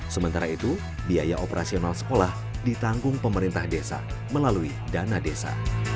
sementara itu biaya operasional sekolah ditanggung pemerintah desa melalui dana desa